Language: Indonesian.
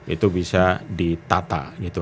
itu bisa ditata gitu